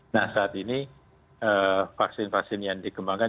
nah saat ini vaksin vaksin yang dikembangkan